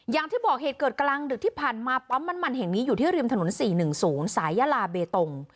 อย่างที่บอกเหตุเกิดกำลังดึกที่ผ่านมาปั๊มมันมันแห่งนี้อยู่ที่ริมถนนสี่หนึ่งสูงสายยาลาเบตง